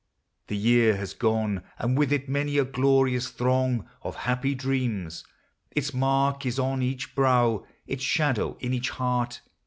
The year Has gone, and with it, many a glorious throng Of happy dreams. Its mark is on each brow, Its shadow in each heart.